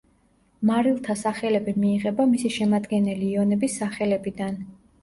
მარილთა სახელები მიიღება მისი შემადგენელი იონების სახელებიდან.